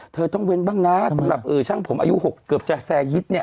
เธอต้องเว้นบ้างนะสำหรับช่างผมอายุ๖เกือบจะแฟร์ยิตเนี่ย